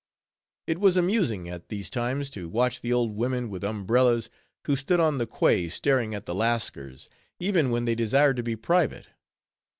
It was amusing at these times, to watch the old women with umbrellas, who stood on the quay staring at the Lascars, even when they desired to be private.